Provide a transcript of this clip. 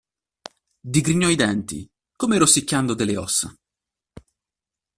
Digrignò i denti, come rosicchiando delle ossa.